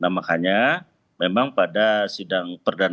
nah misalnya suruh nota attitude yang observasi